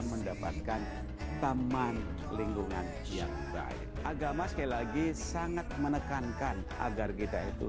mendapatkan taman lingkungan yang baik agama sekali lagi sangat menekankan agar kita itu